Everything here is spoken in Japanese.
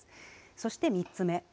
そして３つ目。